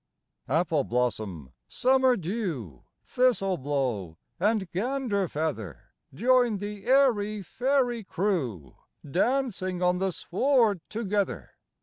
Appleblossom, Summerdew, Thistleblow, and Ganderfeather! Join the airy fairy crewDancing on the sward together!